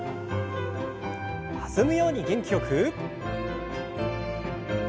弾むように元気よく。